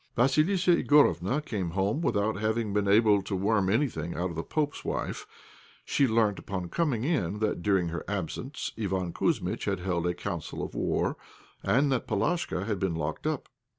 Vassilissa Igorofna came home without having been able to worm anything out of the Pope's wife; she learnt upon coming in that during her absence Iván Kouzmitch had held a council of war, and that Palashka had been locked up.